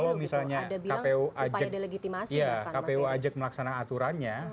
kalau misalnya kpu ajak melaksanakan aturannya